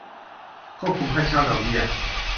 ควบคุมค่าเช่า ดอกเบี้ย